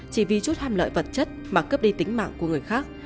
chỉ vì chút ham lợi vật chất mà cướp đi tính mạng của người khác